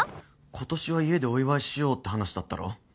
ことしは家でお祝いしようって話だったろ？